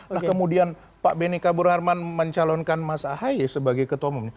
lah kemudian pak benny kabur harman mencalonkan mas ahaye sebagai ketua umum